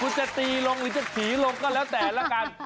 คุณจะตีลงหรือจะผีลงก็แล้วแต่ละกัน